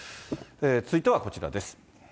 続いてはこちらです。